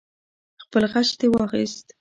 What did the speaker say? خپل غچ دې واخست.